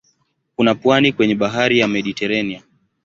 Kuna pwani kwenye bahari ya Mediteranea.